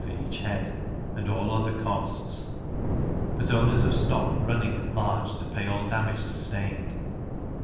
for each head, and all other costs; but owners of stock running at large to pay all damage sustained.